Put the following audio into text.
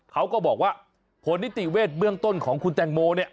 เขาก็บอกว่าผลนิติเวทย์เบื้องต้นของคุณแจ่งโม